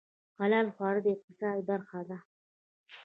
حلال خواړه د اقتصاد برخه ده